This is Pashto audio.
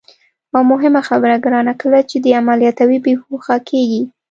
او مهمه خبره ګرانه، کله چې دې عملیاتوي، بېهوښه کېږي.